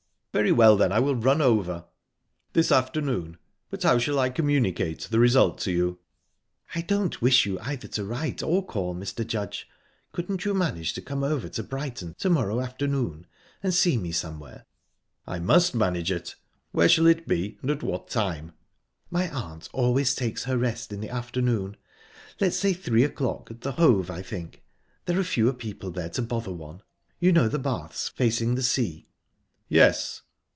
Very well, then; I will run over." "This afternoon. But how shall I communicate the result to you?" "I don't wish you either to write or call, Mr. Judge. Couldn't you manage to come over to Brighton to morrow afternoon, and see me somewhere?" "I must manage it. Where shall it be, and at what time?" "My aunt always takes her rest in the afternoon, Let's say three o'clock at the Hove, I think; there are fewer people there to bother one. You know the Baths, facing the sea?" "Yes."